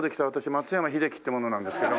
松山英樹って者なんですけど。